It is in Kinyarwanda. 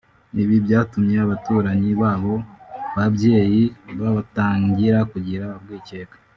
Ibi byatumye abaturanyi b’abo babyeyi batangira kugira urwikekwe